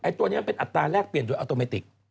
ตัวนี้มันเป็นอัตราแรกเปลี่ยนโดยออโตเมติก